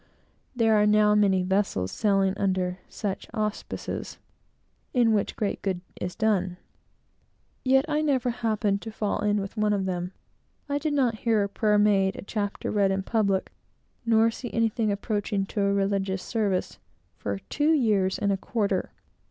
There are now many vessels sailing under such auspices, in which great good is done. Yet I never happened to fall in with one of them. I did not hear a prayer made, a chapter read in public, nor see anything approaching to a religious service, for two years and a quarter.